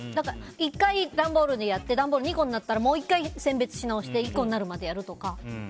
１回、段ボールでやって段ボール２個になったらもう１回選別し直して１個になるまでやるとか。